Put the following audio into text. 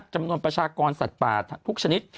จำนวนประชากรสัตว์ป่าทุกชนิด